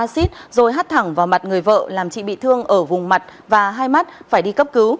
xin chào và hẹn gặp lại